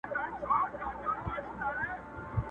وايي نسته كجاوې شا ليلا ورو ورو!